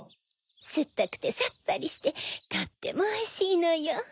すっぱくてさっぱりしてとってもおいしいのよ。